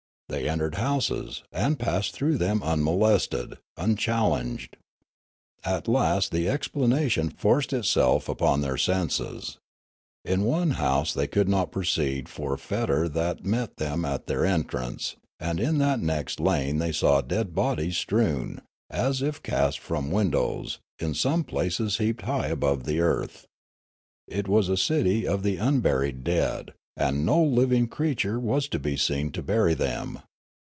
They entered houses, and passed through them unmolested, unchallenged. At last the explanation forced itself upon their senses. In one house they could not proceed for the fetor that met them at their entrance ; and in the next lane they saw dead bodies strewn, as if cast from the win dows, in some places heaped high above the earth. It was a city of the unburied dead, and no living creature was to be seen to bury them.